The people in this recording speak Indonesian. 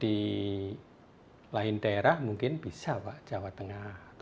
di lain daerah mungkin bisa pak jawa tengah